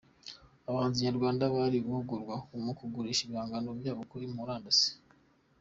Abahanzi Nyarwanda bari guhugurwa ku kugurisha ibihangano byabo kuri Murandasi